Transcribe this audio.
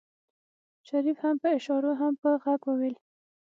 شريف هم په اشارو هم په غږ وويل.